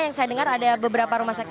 yang saya dengar ada beberapa rumah sakit